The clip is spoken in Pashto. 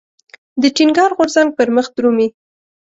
د ټينګار غورځنګ پرمخ درومي.